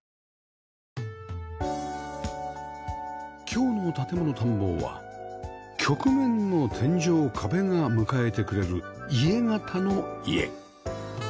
今日の『建もの探訪』は曲面の天井・壁が迎えてくれるイエ型の家